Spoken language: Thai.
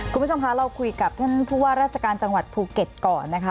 คุณผู้ชมคะเราคุยกับท่านผู้ว่าราชการจังหวัดภูเก็ตก่อนนะคะ